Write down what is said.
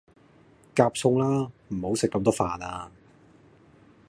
夾餸啦，唔好食咁多飯呀